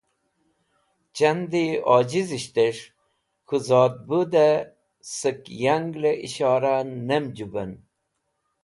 Chandi Ojizisht Es̃h K̃hu ZOdbude sẽk yangle Ishora Nemjuven